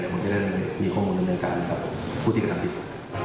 มันจะได้มีข้อมูลต่างกับผู้ที่การทำผิด